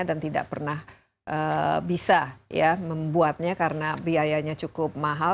dan tidak pernah bisa ya membuatnya karena biayanya cukup mahal